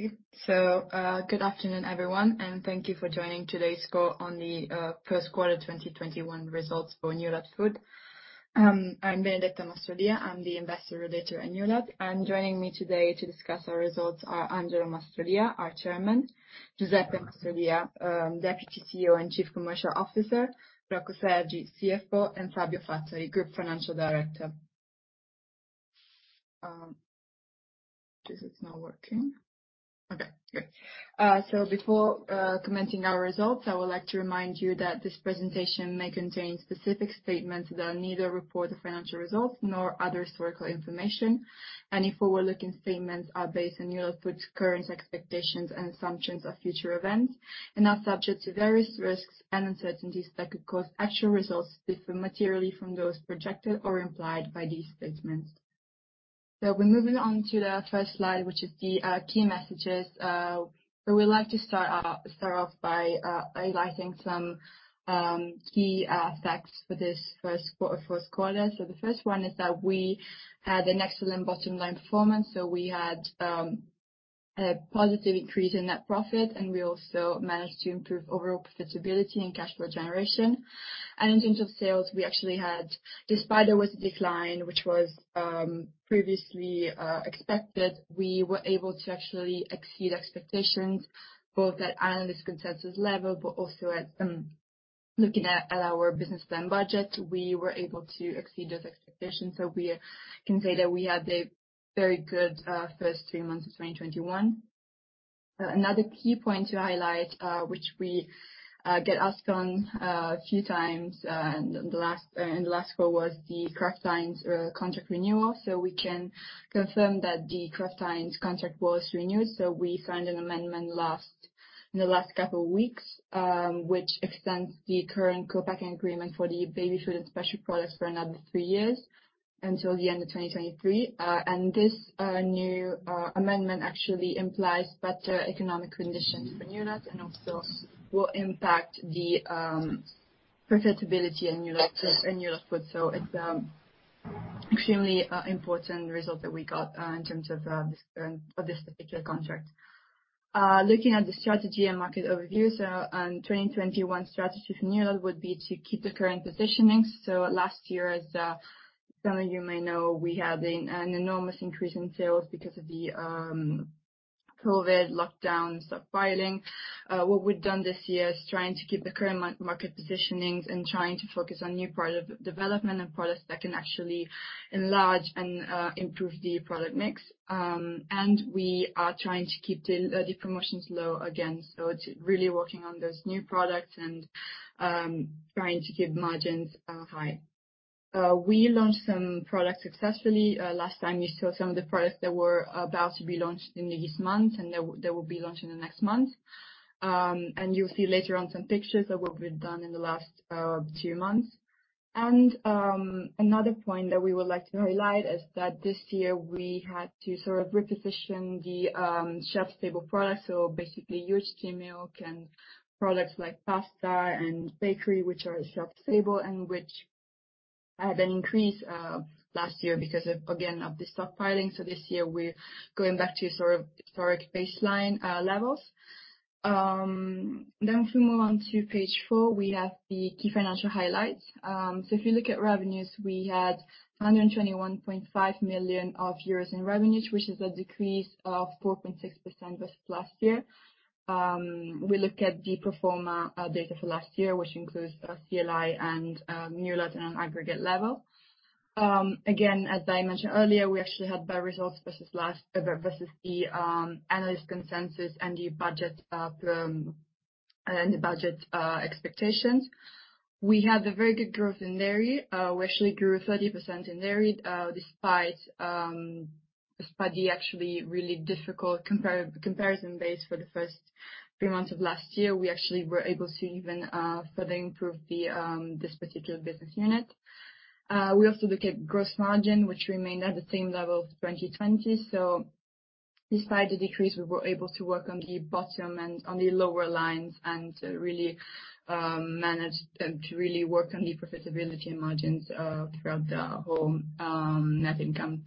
Okay. Good afternoon, everyone, and thank you for joining today's call on the first quarter 2021 results for Newlat Food. I'm Benedetta Mastrolia. I'm the Investor Relator at Newlat. Joining me today to discuss our results are Angelo Mastrolia, our Chairman, Giuseppe Mastrolia, Deputy CEO and Chief Commercial Officer, Rocco Sergi, CFO, and Fabio Fazzari, Group Financial Director. This is not working. Okay, good. Before commenting our results, I would like to remind you that this presentation may contain specific statements that neither report the financial results nor other historical information. Any forward-looking statements are based on Newlat's current expectations and assumptions of future events and are subject to various risks and uncertainties that could cause actual results to differ materially from those projected or implied by these statements. We're moving on to the first slide, which is the key messages. We'd like to start off by highlighting some key facts for this first quarter. The first one is that we had an excellent bottom line performance. We had a positive increase in net profit, and we also managed to improve overall profitability and free cash flow generation. In terms of sales, we actually had, despite there was a decline, which was previously expected, we were able to actually exceed expectations, both at analyst consensus level, but also at looking at our business plan budget, we were able to exceed those expectations. We can say that we had a very good first three months of 2021. Another key point to highlight, which we get asked on a few times, and the last call was the Kraft Heinz contract renewal. We can confirm that the Kraft Heinz contract was renewed. We signed an amendment in the last couple weeks, which extends the current co-packing agreement for the baby food and special products for another three years, until the end of 2023. This new amendment actually implies better economic conditions for Newlat and also will impact the profitability in Newlat Food. It's extremely important result that we got in terms of this particular contract. Looking at the strategy and market overview. 2021 strategy for Newlat would be to keep the current positioning. Last year, as some of you may know, we had an enormous increase in sales because of the COVID lockdowns, stockpiling. What we've done this year is trying to keep the current market positionings and trying to focus on new product development and products that can actually enlarge and improve the product mix. We are trying to keep the promotions low again. It's really working on those new products and trying to keep margins high. We launched some products successfully. Last time you saw some of the products that were about to be launched in this month, and they will be launched in the next month. You'll see later on some pictures that will be done in the last two months. Another point that we would like to highlight is that this year we had to sort of reposition the shelf-stable products. Basically UHT milk and products like pasta and bakery, which are shelf-stable and which had an increase last year because of, again, of the stockpiling. This year, we're going back to sort of historic baseline levels. If we move on to page four, we have the key financial highlights. If you look at revenues, we had 121.5 million euros in revenues, which is a decrease of 4.6% versus last year. We look at the pro forma data for last year, which includes CLI and Newlat on an aggregate level. Again, as I mentioned earlier, we actually had better results versus the analyst consensus and the budget expectations. We had a very good growth in dairy. We actually grew 30% in dairy. Despite the actually really difficult comparison base for the first three months of last year, we actually were able to even further improve this particular business unit. We also look at gross margin, which remained at the same level of 2020. Despite the decrease, we were able to work on the bottom and on the lower lines and to really work on the profitability and margins throughout the whole net income.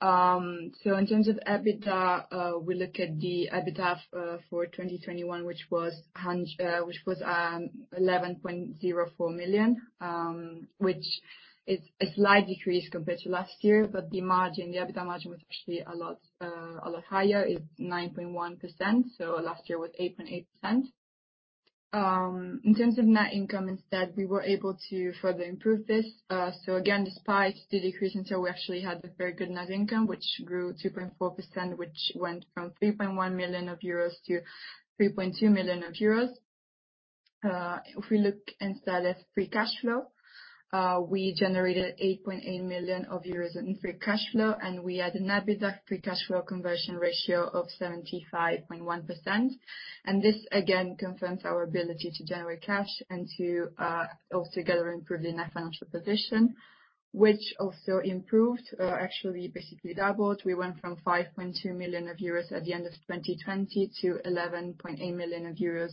In terms of EBITDA, we look at the EBITDA for 2021, which was 11.04 million, which is a slight decrease compared to last year, but the EBITDA margin was actually a lot higher, it is 9.1%. Last year was 8.8%. In terms of net income, instead, we were able to further improve this. Again, despite the decrease in sales, we actually had a very good net income, which grew 2.4%, which went from 3.1 million euros to 3.2 million euros. If we look instead at free cash flow, we generated 8.8 million euros in free cash flow, and we had an EBITDA free cash flow conversion ratio of 75.1%. This again confirms our ability to generate cash and to altogether improve the net financial position, which also improved, actually basically doubled. We went from 5.2 million euros at the end of 2020 to 11.8 million euros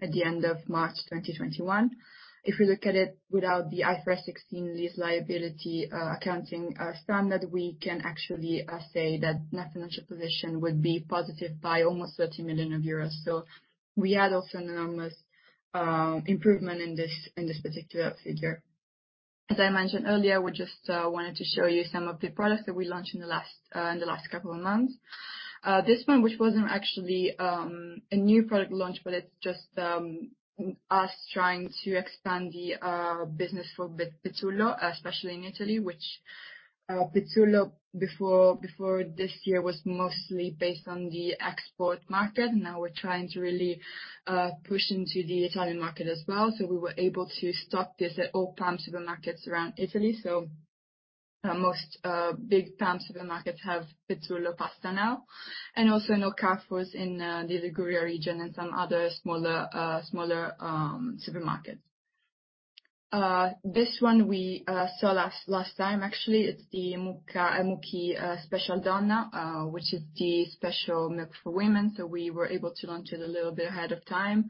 at the end of March 2021. If we look at it without the IFRS 16 lease liability accounting standard, we can actually say that net financial position would be positive by almost 30 million euros. We had also an enormous improvement in this particular figure. As I mentioned earlier, we just wanted to show you some of the products that we launched in the last couple of months. This one, which wasn't actually a new product launch, but it's just us trying to expand the business for Pezzullo, especially in Italy, which Pezzullo, before this year, was mostly based on the export market. Now we're trying to really push into the Italian market as well. We were able to stock this at all supermarket around Italy. Most big pan supermarkets have Pezzullo pasta now. Also in [Auchan] was in the Liguria region and some other smaller supermarkets. This one we saw last time, actually, it's the Mukki Special Donna, which is the special milk for women. We were able to launch it a little bit ahead of time,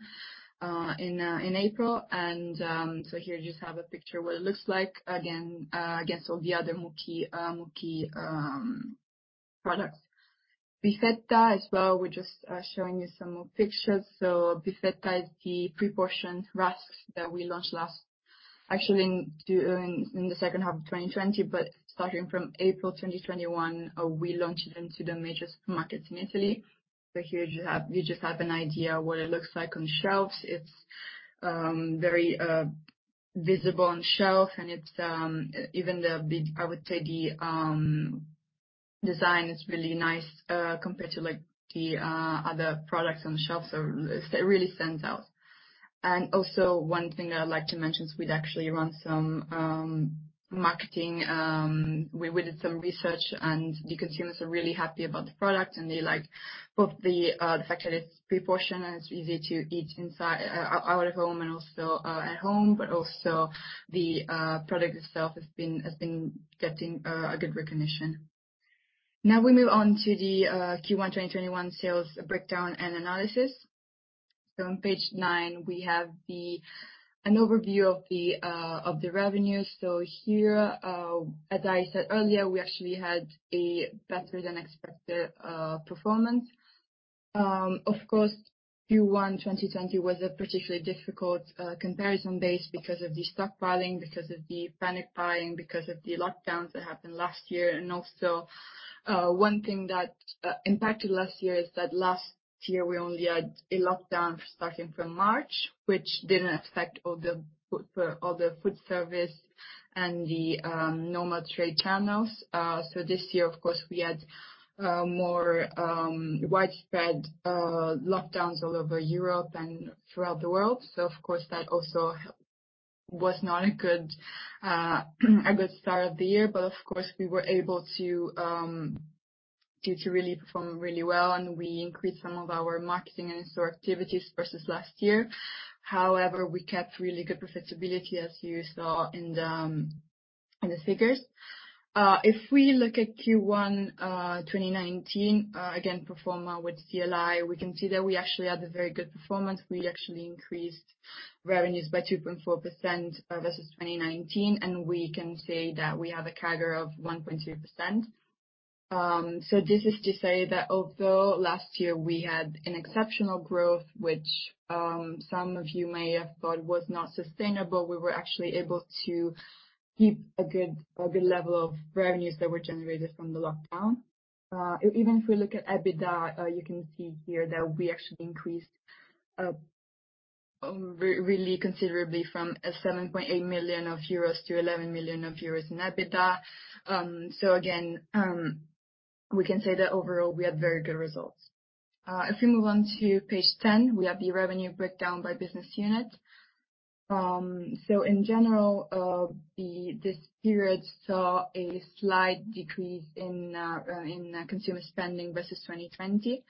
in April. Here you just have a picture of what it looks like. Again, I guess all the other Mukki products. Bifetta as well, we're just showing you some more pictures. Bifetta is the pre-portioned rusks that we launched actually in the second half of 2020, but starting from April 2021, we launched it into the major supermarkets in Italy. Here you just have an idea what it looks like on shelves. It's very visible on shelf and even I would say the design is really nice compared to the other products on the shelf. It really stands out. Also one thing that I'd like to mention is we'd actually run some marketing. We did some research, and the consumers are really happy about the product, and they like both the fact that it's pre-portioned, and it's easy to eat out of home and also at home. Also the product itself has been getting a good recognition. Now we move on to the Q1 2021 sales breakdown and analysis. On page nine, we have an overview of the revenues. Here, as I said earlier, we actually had a better-than-expected performance. Of course, Q1 2020 was a particularly difficult comparison base because of the stockpiling, because of the panic buying, because of the lockdowns that happened last year. One thing that impacted last year is that last year we only had a lockdown starting from March, which didn't affect all the food service and the normal trade channels. This year, of course, we had more widespread lockdowns all over Europe and throughout the world. Of course, that also was not a good start of the year. Of course, we were able to really perform really well, and we increased some of our marketing and store activities versus last year. We kept really good profitability, as you saw in the figures. If we look at Q1 2019, pro forma with CLI, we can see that we actually had a very good performance. We actually increased revenues by 2.4% versus 2019, and we can say that we have a CAGR of 1.3%. This is to say that although last year we had an exceptional growth, which some of you may have thought was not sustainable, we were actually able to keep a good level of revenues that were generated from the lockdown. Even if we look at EBITDA, you can see here that we actually increased really considerably from €7.8 million to €11 million in EBITDA. Again, we can say that overall, we had very good results. If we move on to page 10, we have the revenue breakdown by business unit. In general, this period saw a slight decrease in consumer spending versus 2020.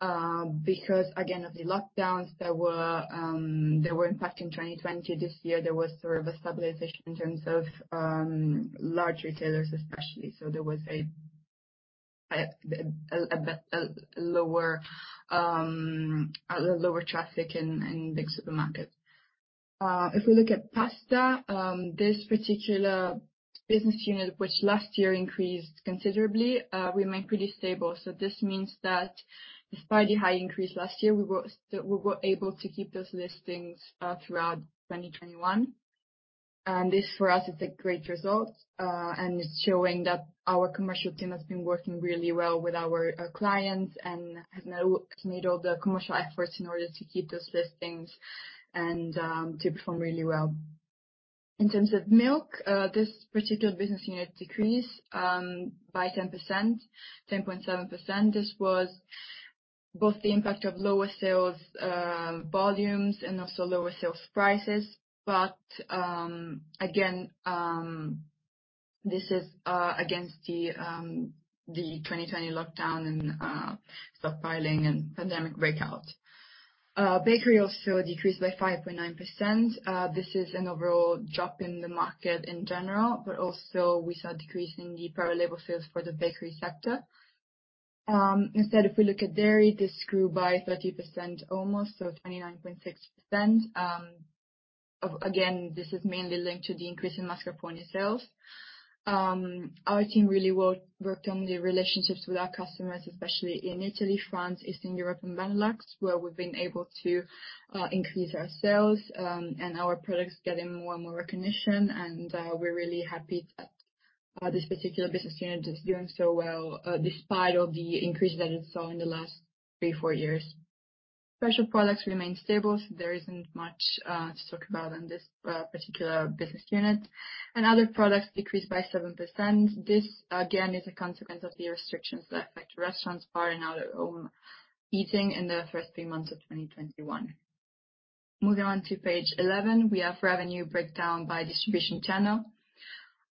Again, of the lockdowns that were impacting 2020, this year, there was sort of a stabilization in terms of large retailers especially. There was a lower traffic in big supermarkets. If we look at pasta, this particular business unit, which last year increased considerably, remained pretty stable. This means that despite the high increase last year, we were able to keep those listings throughout 2021. This for us is a great result. It's showing that our commercial team has been working really well with our clients and has made all the commercial efforts in order to keep those listings and to perform really well. In terms of milk, this particular business unit decreased by 10.7%. This was both the impact of lower sales volumes and also lower sales prices. Again, this is against the 2020 lockdown and stockpiling and pandemic breakout. Bakery also decreased by 5.9%. This is an overall drop in the market in general, but also we saw a decrease in the private label sales for the bakery sector. Instead, if we look at dairy, this grew by 30%, almost 29.6%. This is mainly linked to the increase in mascarpone sales. Our team really worked on the relationships with our customers, especially in Italy, France, Eastern Europe, and Benelux, where we've been able to increase our sales and our products are getting more and more recognition. We're really happy that this particular business unit is doing so well despite all the increases that it saw in the last three, four years. Special products remain stable, there isn't much to talk about in this particular business unit. Other products decreased by 7%. This, again, is a consequence of the restrictions that affect restaurants, bar, and out of home eating in the first three months of 2021. Moving on to page 11, we have revenue breakdown by distribution channel.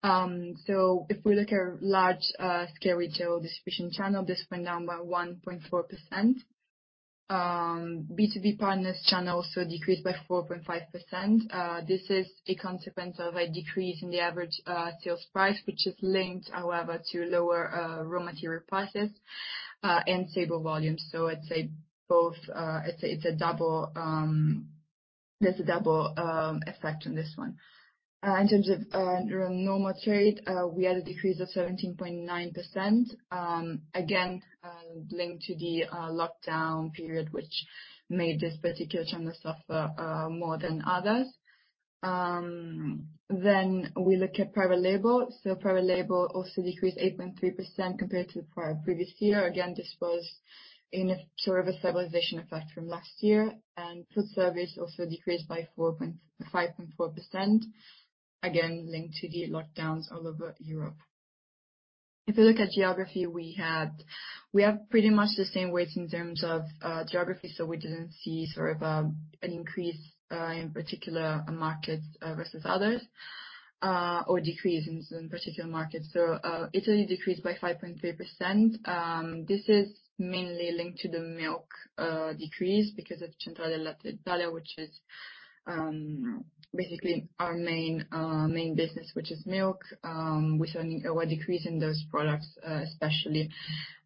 If we look at large-scale retail distribution channel, this went down by 1.4%. B2B partners channel also decreased by 4.5%. This is a consequence of a decrease in the average sales price, which is linked, however, to lower raw material prices and stable volumes. I'd say there's a double effect on this one. In terms of normal trade, we had a decrease of 17.9%, again, linked to the lockdown period, which made this particular channel suffer more than others. We look at private label. Private label also decreased 8.3% compared to the previous year. Again, this was in sort of a stabilization effect from last year, and food service also decreased by 5.4%, again linked to the lockdowns all over Europe. If you look at geography, we have pretty much the same weights in terms of geography, we didn't see sort of an increase in particular markets versus others, or decrease in some particular markets. Italy decreased by 5.3%. This is mainly linked to the milk decrease because of Centrale del Latte d'Italia, which is basically our main business, which is milk. We saw a decrease in those products, especially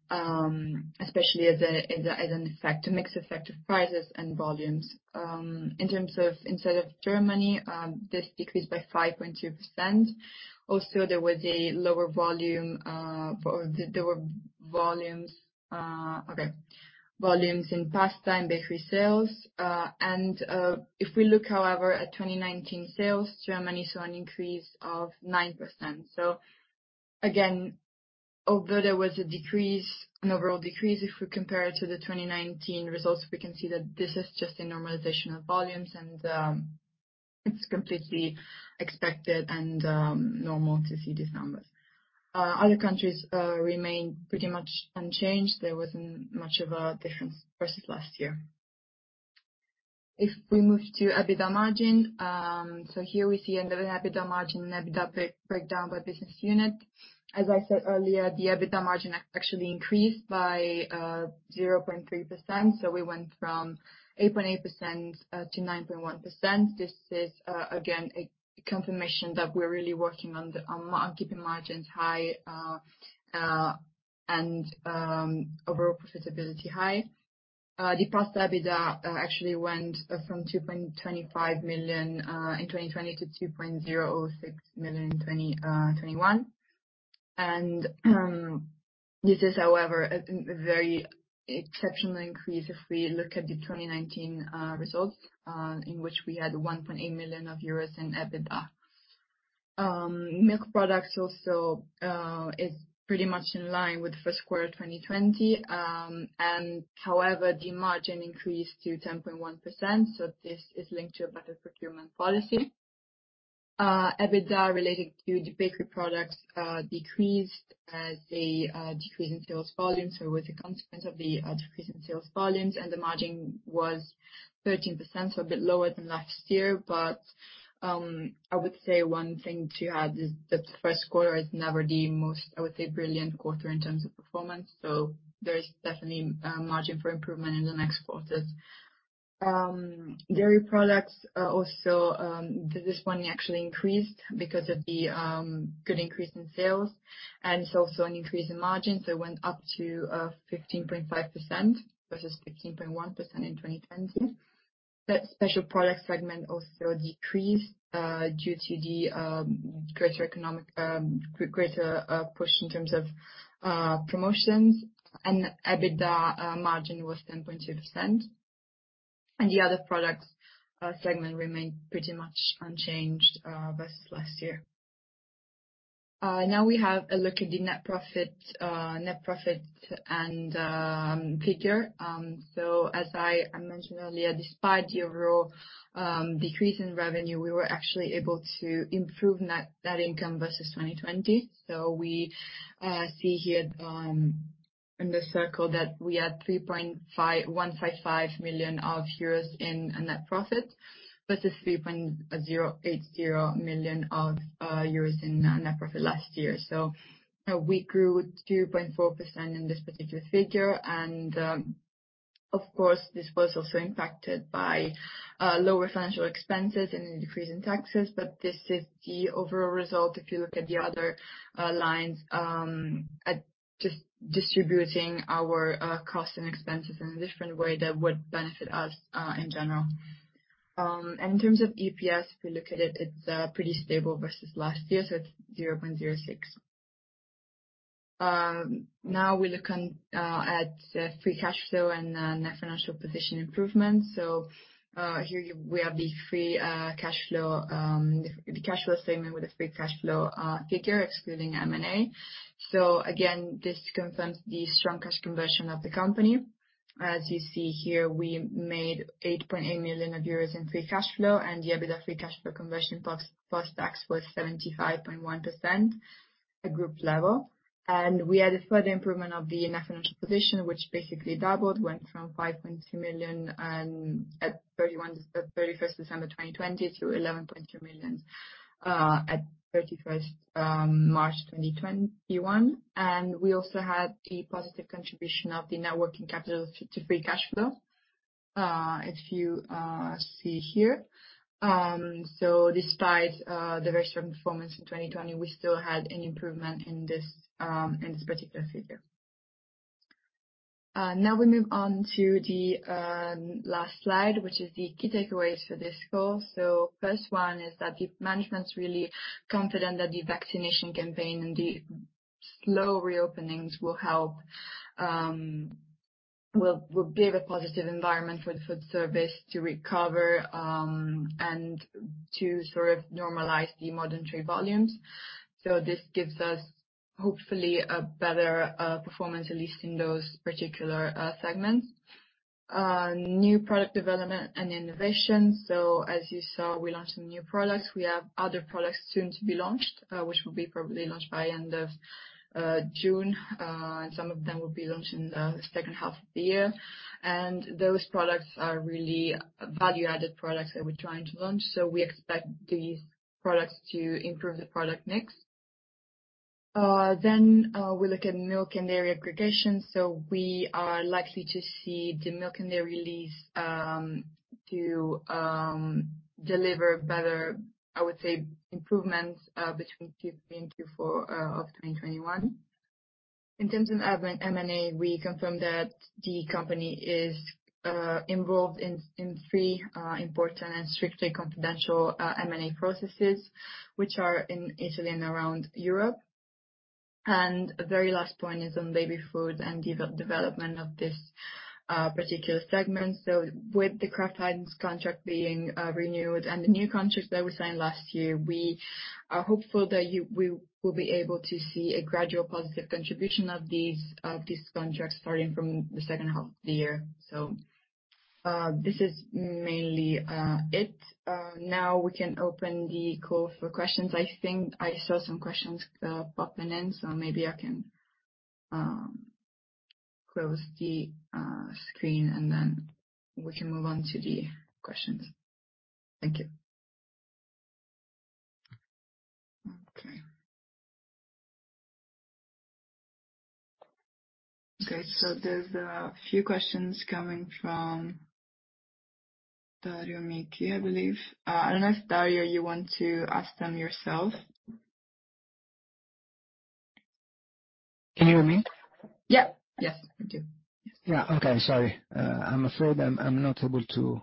as a mixed effect of prices and volumes. In terms of Germany, this decreased by 5.2%. There were volumes in pasta and bakery sales. If we look, however, at 2019 sales, Germany saw an increase of 9%. Again, although there was an overall decrease, if we compare it to the 2019 results, we can see that this is just a normalization of volumes and it's completely expected and normal to see these numbers. Other countries remain pretty much unchanged. There wasn't much of a difference versus last year. If we move to EBITDA margin. Here we see another EBITDA margin, an EBITDA breakdown by business unit. As I said earlier, the EBITDA margin actually increased by 0.3%, so we went from 8.8% to 9.1%. This is again, a confirmation that we're really working on keeping margins high, and overall profitability high. The pasta EBITDA actually went from 2.25 million in 2020 to 2.006 million in 2021. This is, however, a very exceptional increase if we look at the 2019 results, in which we had 1.8 million euros in EBITDA. Milk products also is pretty much in line with first quarter 2020, however, the margin increased to 10.1%, so this is linked to a better procurement policy. EBITDA related to the bakery products decreased as a decrease in sales volume. It was a consequence of the decrease in sales volumes, the margin was 13%, a bit lower than last year. I would say one thing to add is that the first quarter is never the most, I would say, brilliant quarter in terms of performance. There is definitely margin for improvement in the next quarters. Dairy products also, this one actually increased because of the good increase in sales and it's also an increase in margin, it went up to 15.5% versus 15.1% in 2020. That special product segment also decreased due to the greater push in terms of promotions, and EBITDA margin was 10.2%. The other products segment remained pretty much unchanged versus last year. Now we have a look at the net profit figure. As I mentioned earlier, despite the overall decrease in revenue, we were actually able to improve net income versus 2020. We see here in the circle that we had 3.155 million euros in net profit versus 3.080 million euros in net profit last year. We grew 2.4% in this particular figure, and of course, this was also impacted by lower financial expenses and a decrease in taxes. This is the overall result if you look at the other lines. Just distributing our cost and expenses in a different way that would benefit us in general. In terms of EPS, if we look at it's pretty stable versus last year, so it's 0.06. Now we look at free cash flow and net financial position improvements. Here we have the cash flow statement with the free cash flow figure excluding M&A. Again, this confirms the strong cash conversion of the company. As you see here, we made 8.8 million euros in free cash flow. The EBITDA free cash flow conversion post-tax was 75.1% at group level. We had a further improvement of the net financial position, which basically doubled. It went from 5.2 million at 31st December 2020 to 11.2 million at 31st March 2021. We also had a positive contribution of the net working capital to free cash flow, as you see here. Despite the very strong performance in 2020, we still had an improvement in this particular figure. Now we move on to the last slide, which is the key takeaways for this call. The first one is that the management's really confident that the vaccination campaign and the slow reopenings will give a positive environment for the food service to recover and to sort of normalize the modern trade volumes. This gives us hopefully a better performance, at least in those particular segments. New product development and innovation. As you saw, we launched some new products. We have other products soon to be launched, which will be probably launched by the end of June. Some of them will be launched in the second half of the year. Those products are really value-added products that we're trying to launch. We expect these products to improve the product mix. We look at milk and dairy aggregation. We are likely to see the milk and dairy lease to deliver better, I would say, improvements between Q3 and Q4 of 2021. In terms of M&A, we confirm that the company is involved in three important and strictly confidential M&A processes, which are in Italy and around Europe. The very last point is on baby foods and development of this particular segment. With the Kraft Heinz contract being renewed and the new contract that we signed last year, we are hopeful that we will be able to see a gradual positive contribution of these contracts starting from the second half of the year. This is mainly it. Now we can open the call for questions. I think I saw some questions popping in, so maybe I can close the screen, and then we can move on to the questions. Thank you. Okay. Okay, there's a few questions coming from [Dario Micci], I believe. I don't know if, [Dario], you want to ask them yourself? Can you hear me? Yep. Yes, we do. Sorry. I'm afraid I'm not able to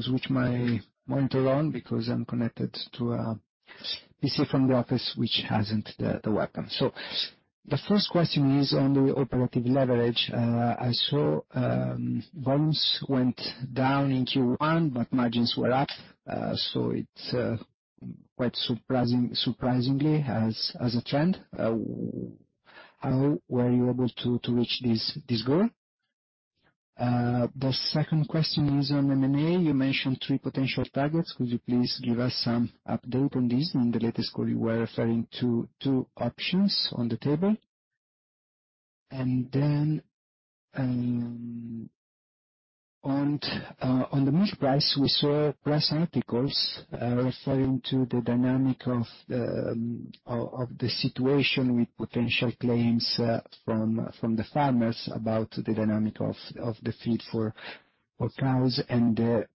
switch my monitor on because to a PC from the office which hasn't the webcam. The first question is on the operative leverage. I saw volumes went down in Q1, but margins were up. It's quite surprising, as a trend, how were you able to reach this goal? The second question is on M&A. You mentioned three potential targets. Could you please give us some update on this? In the latest call, you were referring to two options on the table. On the milk price, we saw press articles referring to the dynamic of the situation with potential claims from the farmers about the dynamic of the feed for cows and the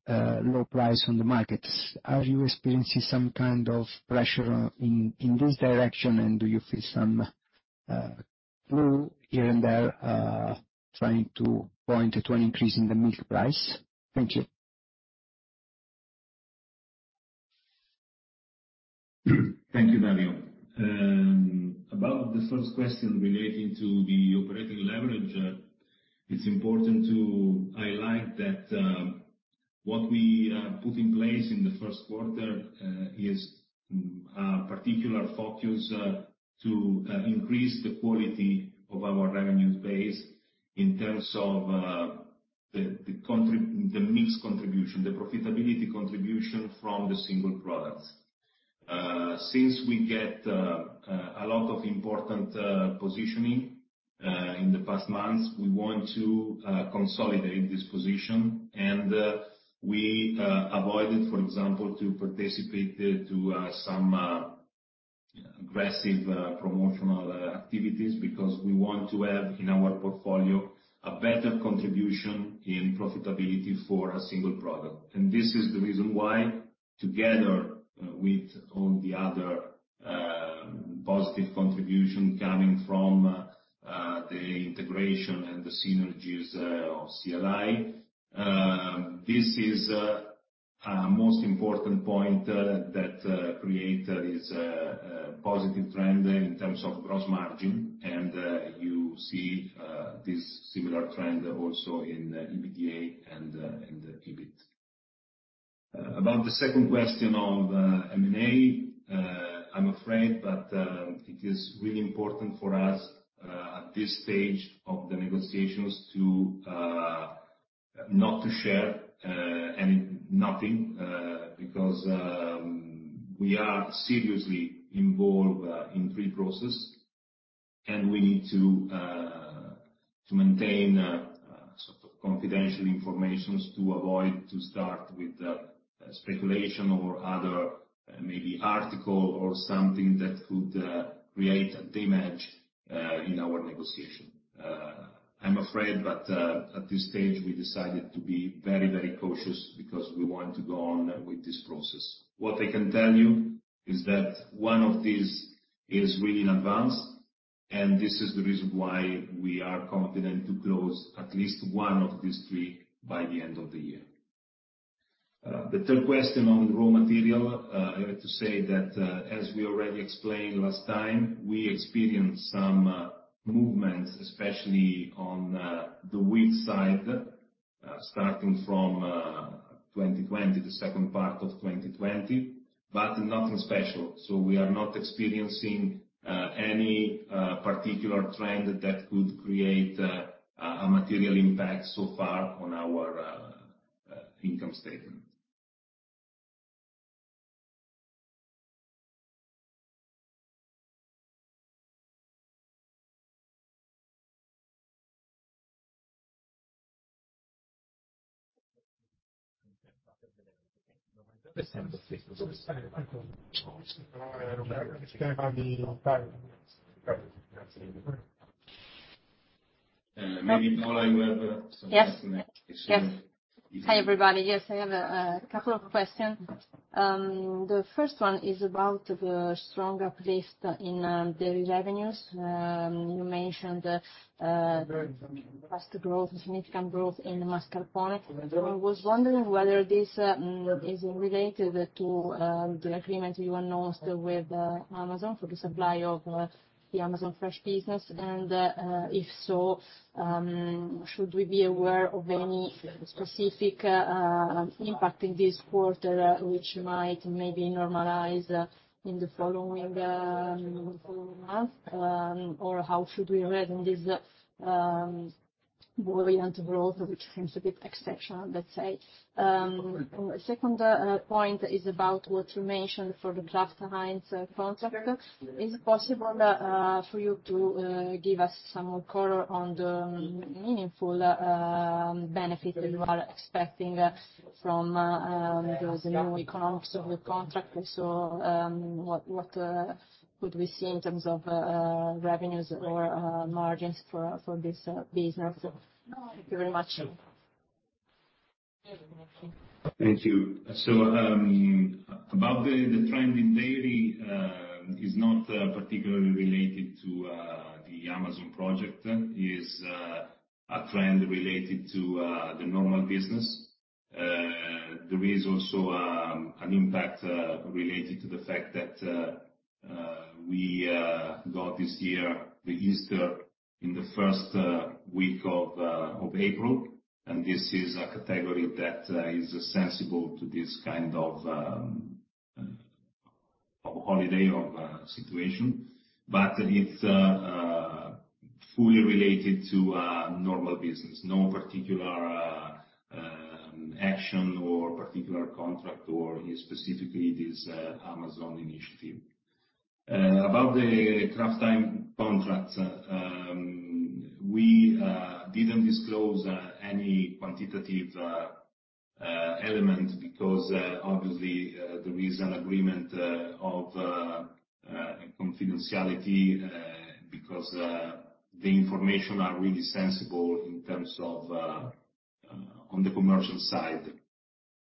low price on the markets. Are you experiencing some kind of pressure in this direction? Do you feel some clue here and there trying to point to an increase in the milk price? Thank you. Thank you, [Dario]. About the first question relating to the operating leverage, it's important to highlight that what we put in place in the first quarter is a particular focus to increase the quality of our revenue base in terms of the mix contribution, the profitability contribution from the single products. Since we get a lot of important positioning in the past months, we want to consolidate this position. We avoided, for example, to participate to some aggressive promotional activities because we want to have in our portfolio a better contribution in profitability for a single product. This is the reason why, together with all the other positive contribution coming from the integration and the synergies of CLI. This is a most important point that create this positive trend in terms of gross margin. You see this similar trend also in EBITDA and in the EBIT. About the second question on M&A, I'm afraid that it is really important for us at this stage of the negotiations not to share nothing, because we are seriously involved in three process, and we need to maintain sort of confidential informations to avoid to start with speculation or other maybe article or something that could create a damage in our negotiation. I'm afraid, at this stage we decided to be very, very cautious because we want to go on with this process. What I can tell you is that one of these is really advanced, and this is the reason why we are confident to close at least one of these three by the end of the year. The third question on raw material, I have to say that, as we already explained last time, we experienced some movements, especially on the wheat side, starting from 2020, the second part of 2020, but nothing special. We are not experiencing any particular trend that could create a material impact so far on our income statement. Maybe [Paula] will- Hi, everybody. I have a couple of questions. The first one is about the stronger uplift in dairy revenues. You mentioned fast growth, significant growth in mascarpone. I was wondering whether this is related to the agreement you announced with Amazon for the supply of the Amazon Fresh business, and if so, should we be aware of any specific impact in this quarter, which might maybe normalize in the following month? How should we read in this buoyant growth, which seems a bit exceptional, let's say. Second point is about what you mentioned for the Kraft Heinz contract. Is it possible for you to give us some more color on the meaningful benefit that you are expecting from those new economics of the contract? What could we see in terms of revenues or margins for this business? Thank you very much. Thank you. About the trend in dairy, is not particularly related to the Amazon project, is a trend related to the normal business. There is also an impact related to the fact that we got this year the Easter in the first week of April, and this is a category that is sensible to this kind of holiday or situation. It's fully related to normal business, no particular action or particular contract or specifically this Amazon initiative. About the Kraft Heinz contract, we didn't disclose any quantitative element because obviously there is an agreement of confidentiality, because the information are really sensible in terms of on the commercial side.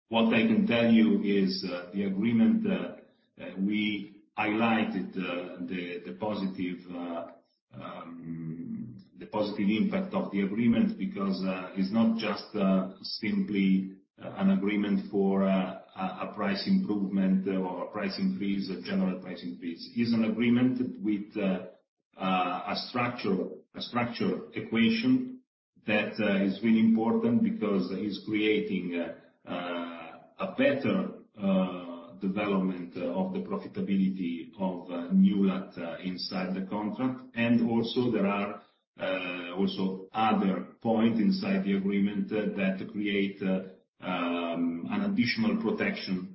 What I can tell you is the agreement, we highlighted the positive impact of the agreement, because it's not just simply an agreement for a price improvement or a price increase, a general price increase. Is an agreement with a structure equation that is really important because it's creating a better development of the profitability of Newlat inside the contract. Also there are also other points inside the agreement that create an additional protection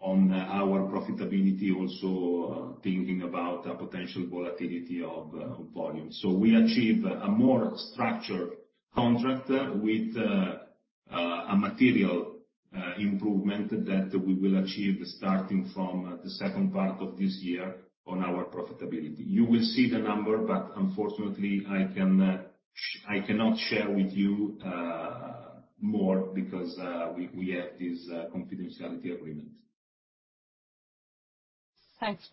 on our profitability, also thinking about a potential volatility of volume. We achieve a more structure contract with a material improvement that we will achieve starting from the second part of this year on our profitability. You will see the number, but unfortunately, I can. I cannot share with you more because we have this confidentiality agreement. Thanks.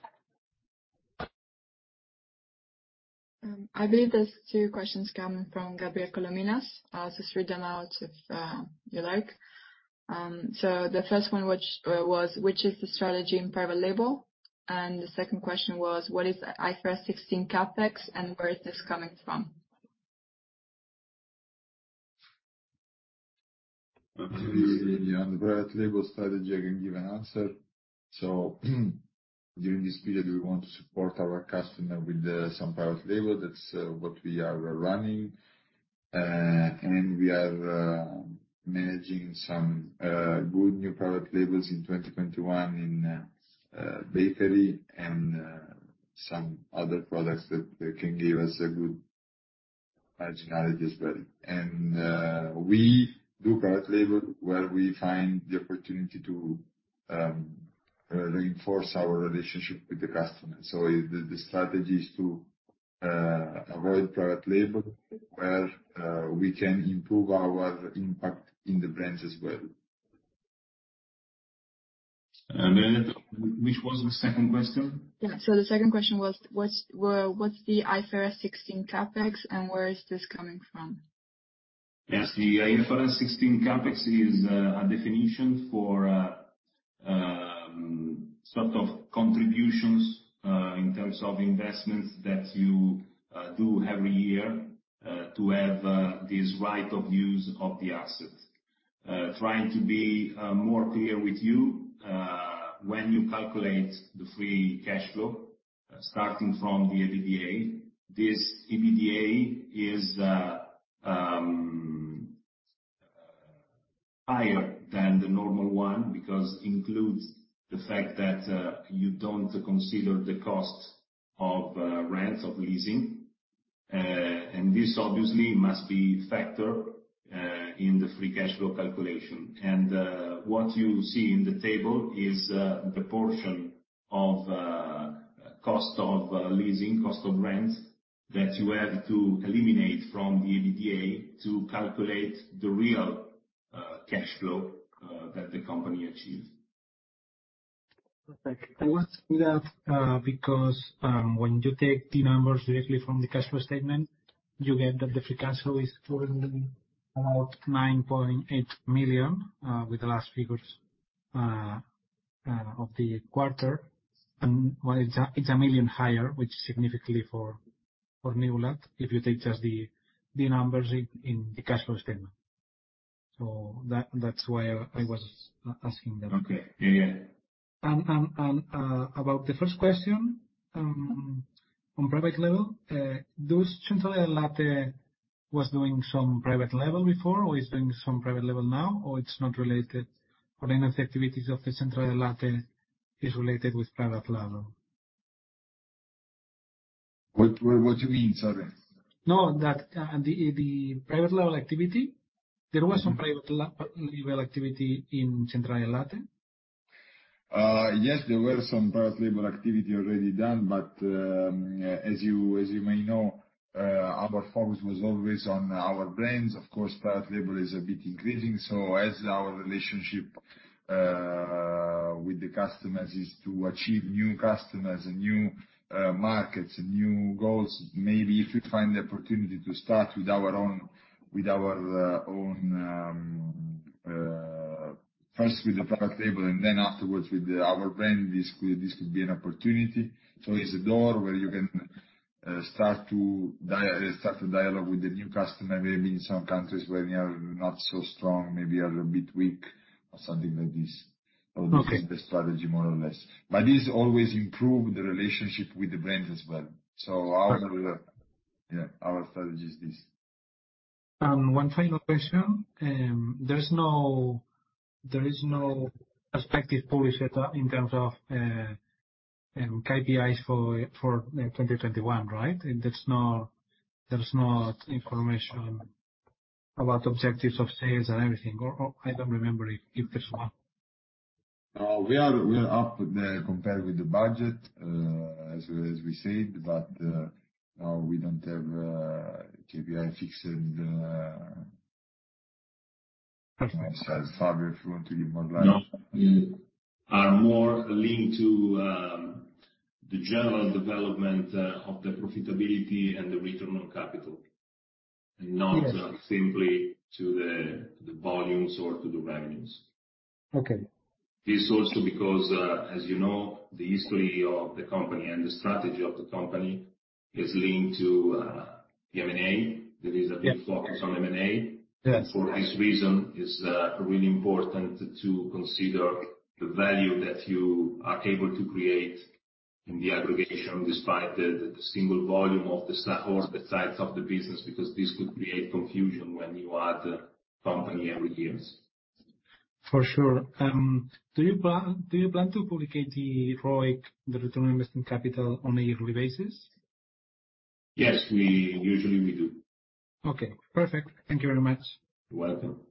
I believe these two questions come from Gabriel Colominas. I'll just read them out if you like. The first one was: which is the strategy in private label? The second question was: what is IFRS 16 CapEx, and where is this coming from? On the private label strategy, I can give an answer. During this period, we want to support our customer with some private label. That's what we are running. We are managing some good new private labels in 2021 in bakery and some other products that can give us a good marginality as well. We do private label where we find the opportunity to reinforce our relationship with the customer. The strategy is to avoid private label where we can improve our impact in the brands as well. Which was the second question? Yeah. The second question was: what's the IFRS 16 CapEx, and where is this coming from? Yes, the IFRS 16 CapEx is a definition for sort of contributions in terms of investments that you do every year to have this right of use of the asset. Trying to be more clear with you, when you calculate the free cash flow, starting from the EBITDA, this EBITDA is higher than the normal one because includes the fact that you don't consider the cost of rent, of leasing, and this obviously must be factored in the free cash flow calculation. What you see in the table is the portion of cost of leasing, cost of rent, that you have to eliminate from the EBITDA to calculate the real cash flow that the company achieved. Perfect. I was asking that because when you take the numbers directly from the cash flow statement, you get that the free cash flow is about 9.8 million, with the last figures of the quarter. It's 1 million higher, which is significantly for Newlat, if you take just the numbers in the cash flow statement. That's why I was asking that. Okay. Yeah. About the first question, on private label, was Centrale del Latte was doing some private label before, or is doing some private label now, or it's not related? Any of the activities of the Centrale del Latte is related with private label? What do you mean, sorry? There was some private label activity in Centrale Latte? Yes, there were some private label activity already done, but as you may know, our focus was always on our brands. As our relationship with the customers is to achieve new customers and new markets and new goals, maybe if we find the opportunity to start first with the private label and then afterwards with our brand, this could be an opportunity. It's a door where you can start a dialogue with the new customer, maybe in some countries where we are not so strong, maybe are a bit weak or something like this. Okay. That was the strategy, more or less. This always improve the relationship with the brand as well. Our strategy is this. One final question. There is no expected policy in terms of KPIs for 2021, right? There's no information about objectives of sales and everything, or I don't remember if there's one. No, we are up compared with the budget, as we said. No, we don't have KPI fixed. Perfect. Fabio, if you want to give more light. No. Are more linked to the general development of the profitability and the return on capital. Yes. Not simply to the volumes or to the revenues. Okay. This also because, as you know, the history of the company and the strategy of the company is linked to M&A. There is a big focus on M&A. Yes. For this reason, it's really important to consider the value that you are able to create in the aggregation despite the single volume of the size of the business, because this could create confusion when you add company every year. For sure. Do you plan to publish the ROIC, the return on invested capital, on a yearly basis? Yes, usually we do. Okay, perfect. Thank you very much. You're welcome.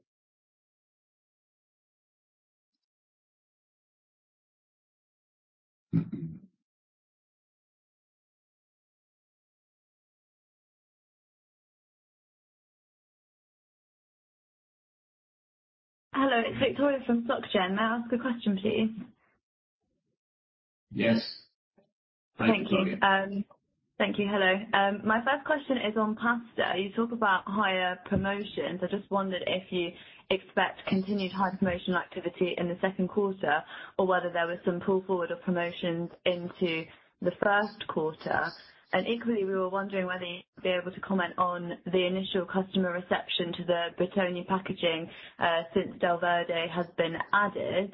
Hello, it's Victoria from SocGen. May I ask a question, please? Yes. Hi, Victoria. Thank you. Hello. My first question is on pasta. You talk about higher promotions. I just wondered if you expect continued high promotion activity in the second quarter, or whether there was some pull forward of promotions into the first quarter. Equally, we were wondering whether you'd be able to comment on the initial customer reception to the Buitoni packaging, since Delverde has been added.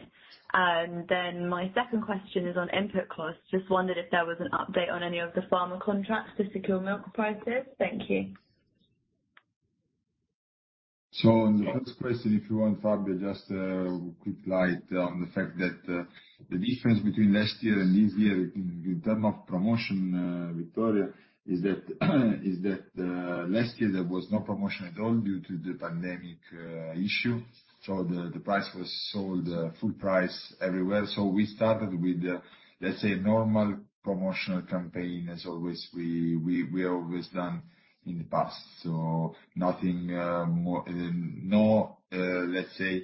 Then my second question is on input costs. Just wondered if there was an update on any of the farmer contracts to secure milk prices. Thank you. On the first question, if you want, Fabio, just a quick light on the fact that the difference between last year and this year in term of promotion, Victoria, is that last year there was no promotion at all due to the pandemic issue. The price was sold full price everywhere. We started with, let's say, normal promotional campaign as always we always done in the past. Let's say,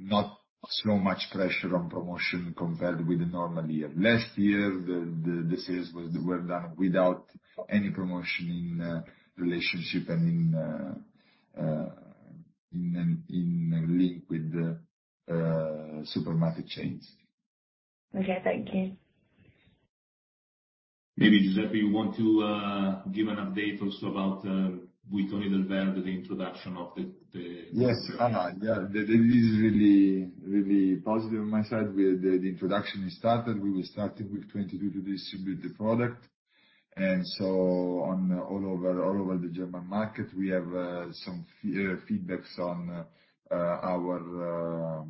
not so much pressure on promotion compared with the normal year. Last year, the sales were done without any promotion in relationship and in a link with the supermarket chains. Okay. Thank you. Maybe, Giuseppe, you want to give an update also about Buitoni Delverde, the introduction of the- Yes. This is really positive on my side. The introduction started. We were starting with 22 to distribute the product, and so on all over the German market, we have some feedbacks on our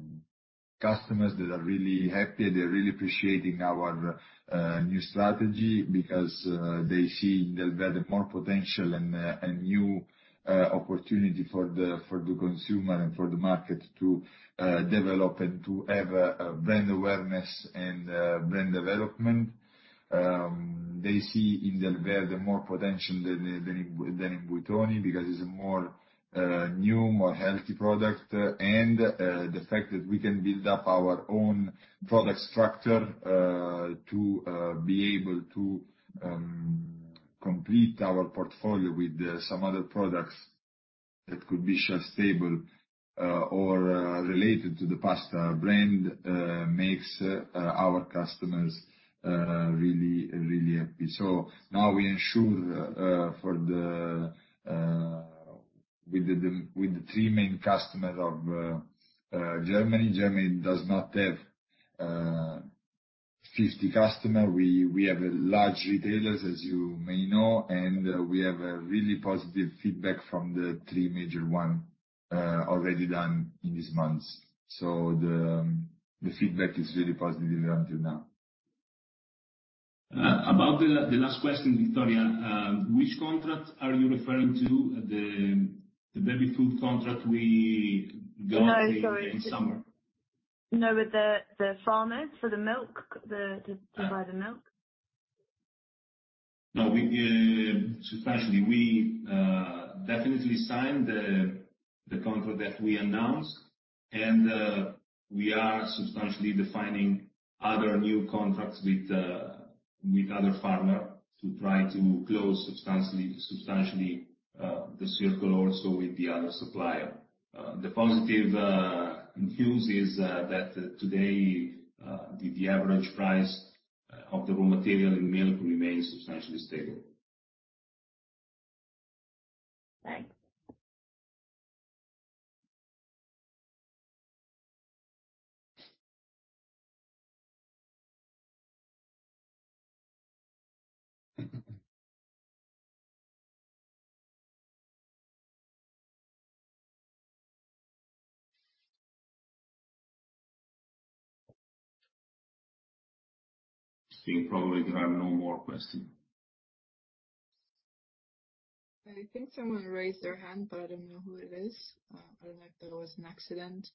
customers that are really happy. They're really appreciating our new strategy because they see Delverde more potential and a new opportunity for the consumer and for the market to develop and to have a brand awareness and brand development. They see in Delverde more potential than in Buitoni because it's a more new, more healthy product. The fact that we can build up our own product structure, to be able to complete our portfolio with some other products that could be shelf-stable, or related to the pasta brand, makes our customers really happy. Now we ensure with the three main customers of Germany. Germany does not have 50 customer. We have large retailers, as you may know. We have a really positive feedback from the three major one already done in these months. The feedback is really positive until now. About the last question, Victoria, which contract are you referring to? The baby food contract we got in the summer? No, with the farmers for the milk. To provide the milk. Substantially we definitely signed the contract that we announced, and we are substantially defining other new contracts with other farmer to try to close substantially the circle also with the other supplier. The positive news is that today, the average price of the raw material in milk remains substantially stable. Thanks. I think probably there are no more question. I think someone raised their hand, but I don't know who it is. I don't know if that was an accident.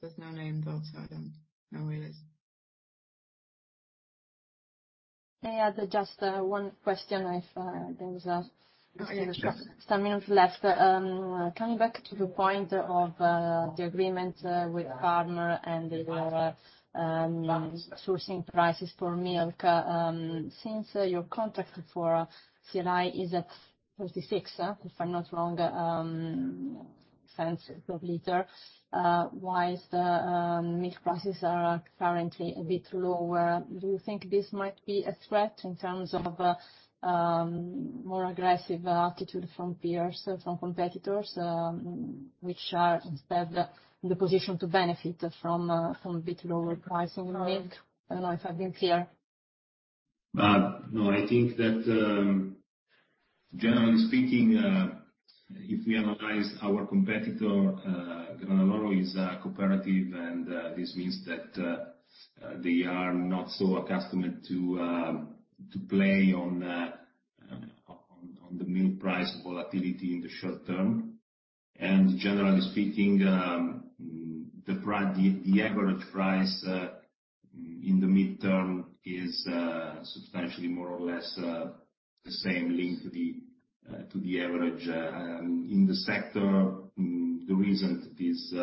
There's no name though, so I don't know who it is. Hey, yeah. Just one question if there was some minutes left. Coming back to the point of the agreement with farmer and the sourcing prices for milk. Since your contract for CLI is at 0.36, if I'm not wrong, per liter. Whilst milk prices are currently a bit low, do you think this might be a threat in terms of more aggressive attitude from peers, from competitors, which are instead in the position to benefit from a bit lower pricing of milk? I don't know if I've been clear. No, I think that, generally speaking, if we analyze our competitor, Granarolo is a cooperative, and this means that they are not so accustomed to play on the milk price volatility in the short term, and generally speaking, the average price in the midterm is substantially more or less the same linked to the average in the sector. The reason is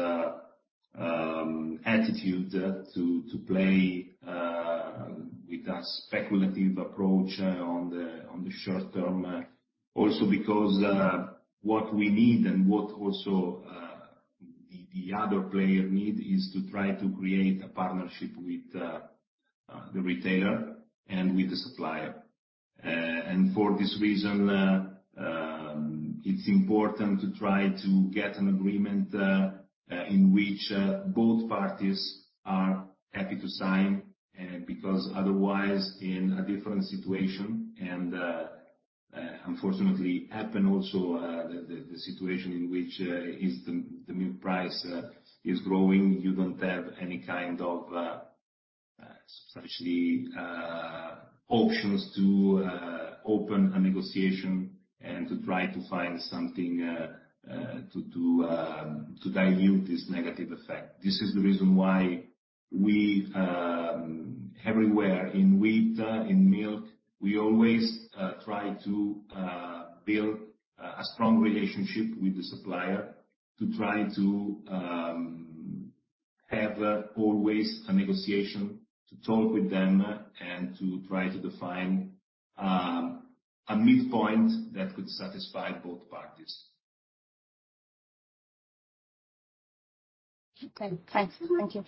attitude to play with a speculative approach on the short term. Also because what we need and what also the other player need is to try to create a partnership with the retailer and with the supplier. For this reason, it's important to try to get an agreement, in which both parties are happy to sign, because otherwise in a different situation and unfortunately happen also, the situation in which the milk price is growing, you don't have any kind of substantially options to open a negotiation and to try to find something to dilute this negative effect. This is the reason why we, everywhere in wheat, in milk, we always try to build a strong relationship with the supplier to try to have always a negotiation, to talk with them, and to try to define a midpoint that could satisfy both parties. Okay, thanks. Thank you.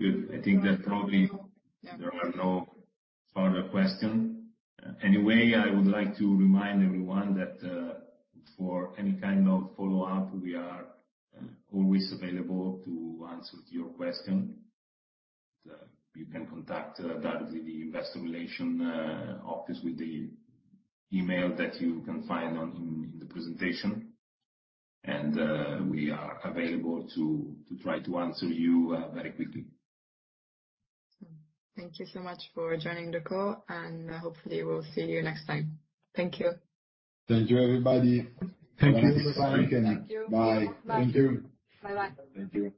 Good. I think that probably there are no further questions. I would like to remind everyone that, for any kind of follow-up, we are always available to answer your questions. You can contact directly the Investor Relation office with the email that you can find in the presentation. We are available to try to answer you very quickly. Thank you so much for joining the call, and hopefully we'll see you next time. Thank you. Thank you, everybody. Thank you. Bye. Bye. Thank you. Bye-bye. Thank you.